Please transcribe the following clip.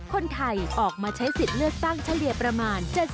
คนไทยออกมาใช้สิทธิ์เลือกตั้งเฉลี่ยประมาณ๗๐